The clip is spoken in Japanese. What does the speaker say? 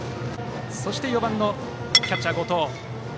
そして４番のキャッチャー、後藤。